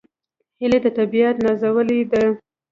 هیلۍ د طبیعت نازولې ده